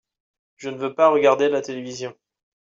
Je ne veux par regarder la télévision.